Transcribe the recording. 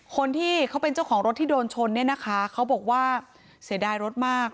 คนที่เขาเป็นเจ้าของรถที่โดนชนเนี่ยนะคะเขาบอกว่าเสียดายรถมาก